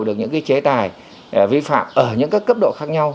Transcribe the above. được những cái chế tài vi phạm ở những cái cấp độ khác nhau